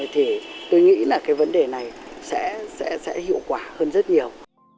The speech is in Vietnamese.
thì tôi nghĩ là cái vấn đề này sẽ hiệu quả hơn rất nhiều